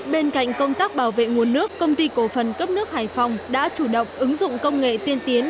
bên cạnh công tác bảo vệ nguồn nước công ty cổ phần cấp nước hải phòng đã chủ động ứng dụng công nghệ tiên tiến